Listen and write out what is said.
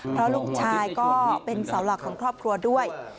เพราะลูกชายก็เป็นเสาหลักของครอบครัวด้วย